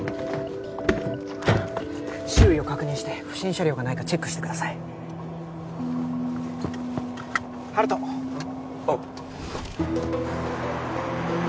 周囲を確認して不審車両がないかチェックしてください温人うん？